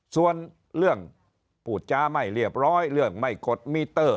ส่วนเรื่องพูดจ้าไม่เรียบร้อยเรื่องไม่กดมิเตอร์